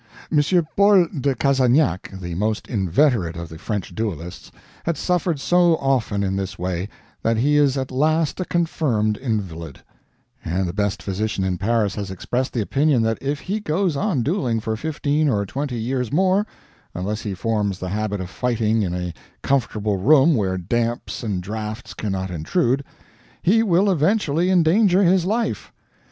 M. Paul de Cassagnac, the most inveterate of the French duelists, had suffered so often in this way that he is at last a confirmed invalid; and the best physician in Paris has expressed the opinion that if he goes on dueling for fifteen or twenty years more unless he forms the habit of fighting in a comfortable room where damps and draughts cannot intrude he will eventually endanger his life.